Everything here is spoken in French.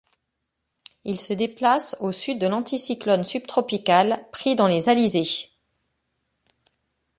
Il se déplace au Sud de l'anticyclone subtropicale, pris dans les alizés.